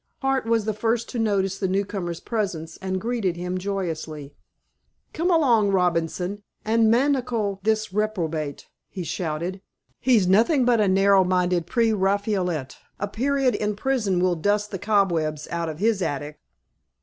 Hart was the first to notice the newcomer's presence, and greeted him joyously. "Come along, Robinson, and manacle this reprobate," he shouted. "He's nothing but a narrow minded pre Rafaelite. A period in prison will dust the cobwebs out of his attic."